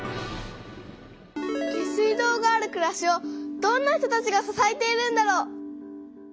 下水道があるくらしをどんな人たちが支えているんだろう？